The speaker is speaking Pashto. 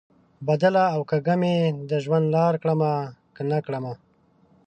بدله او کږه مې د ژوند لار کړمه، که نه کړم؟